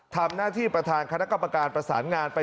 ทำหน้าที่ประธานคณะกรรมการประสานงานไป